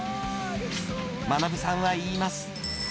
学さんは言います。